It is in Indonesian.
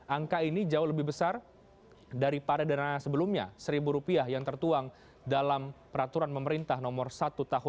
angka ini jauh lebih besar daripada dana sebelumnya rp satu yang tertuang dalam peraturan pemerintah nomor satu tahun dua ribu dua puluh